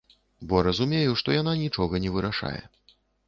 Бо разумею, што яна нічога не вырашае.